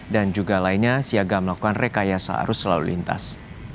dan juga lainnya siaga melakukan rekayasa arus selalu lintas